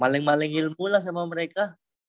maling maling ilmu lah sama mereka